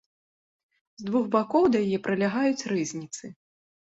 З двух бакоў да яе прылягаюць рызніцы.